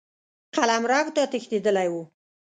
قلمرو ته تښتېدلی وو.